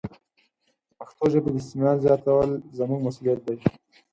د پښتو ژبې د استعمال زیاتول زموږ مسوولیت دی.